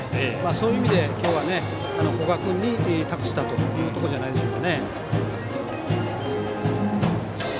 そういう意味で今日は古賀君に託したというところじゃないでしょうか。